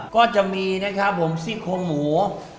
ก็จะมีสีทรงหมู